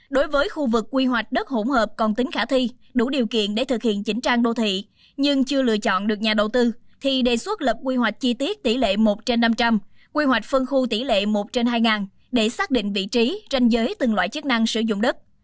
đối với khu vực quy hoạch đất hỗn hợp còn tính khả thi đủ điều kiện để thực hiện chỉnh trang đô thị nhưng chưa lựa chọn được nhà đầu tư thì đề xuất lập quy hoạch chi tiết tỷ lệ một trên năm trăm linh quy hoạch phân khu tỷ lệ một trên hai để xác định vị trí ranh giới từng loại chức năng sử dụng đất